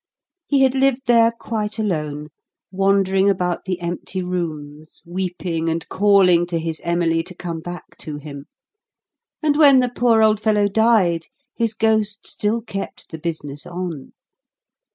He had lived there quite alone, wandering about the empty rooms, weeping and calling to his Emily to come back to him; and when the poor old fellow died, his ghost still kept the business on.